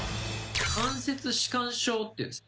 関節弛緩症っていうんです